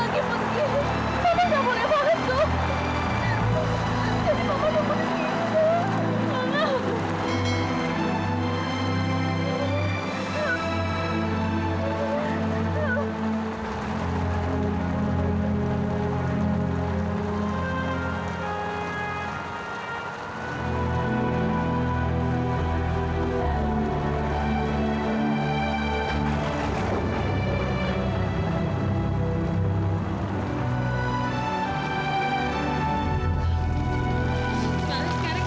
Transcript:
terima kasih banyak